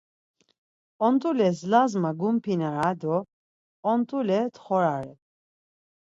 Ont̆ules lazma gumpinare do ont̆ule txorare.